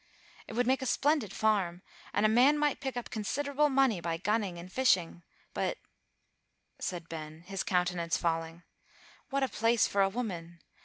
It would make a splendid farm, and a man might pick up considerable money by gunning and fishing; but," said Ben, his countenance falling, "what a place for a woman!